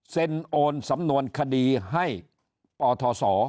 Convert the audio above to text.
เส้นโอนสำนวนคดีให้ปศ